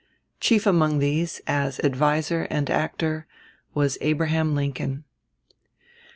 Chief among these, as adviser and actor, was Abraham Lincoln.